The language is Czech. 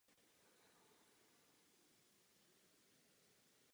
Hřbet je slabě spadající a napojuje se na něj též mírně klenutá záď.